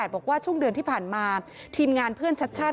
บอกว่าช่วงเดือนที่ผ่านมาทีมงานเพื่อนชัดชาติ